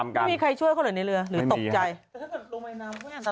ไม่มีใครช่วยเขาหน่อยในเรือหรือตกใจไม่มีค่ะ